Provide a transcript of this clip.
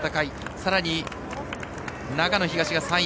さらに、長野東が３位。